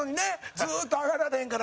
ずっと上がられへんから。